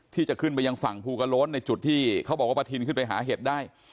ที่จะขึ้นไปยังฝั่งภูกระโล้นในจุดที่เขาบอกว่าประทินขึ้นไปหาเห็ดได้